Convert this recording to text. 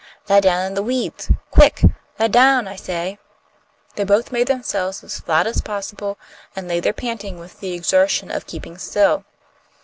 lie down in the weeds, quick! Lie down, I say!" They both made themselves as flat as possible, and lay there panting with the exertion of keeping still.